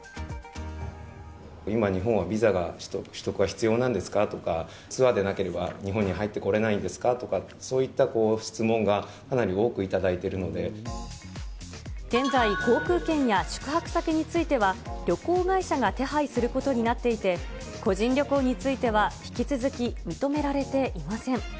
今、日本はビザ取得は必要なんですかとか、ツアーでなければ日本に入ってこれないんですかとか、そういった現在、航空券や宿泊先については、旅行会社が手配することになっていて、個人旅行については、引き続き認められていません。